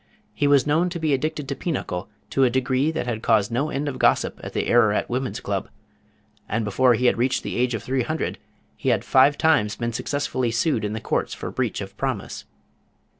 He was known to be addicted to pinochle to a degree that had caused no end of gossip at the Ararat Woman's Club, and before he had reached the age of three hundred he had five times been successfully sued in the courts for breach of promise.